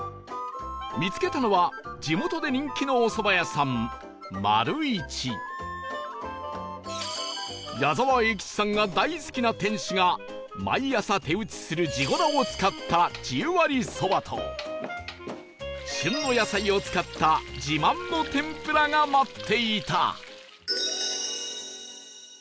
見つけたのは地元で人気のおそば屋さん矢沢永吉さんが大好きな店主が毎朝手打ちする地粉を使った十割そばと旬の野菜を使った自慢の天ぷらが待っていた